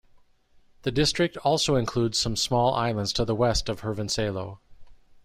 The district also includes some small islands to the west of Hirvensalo.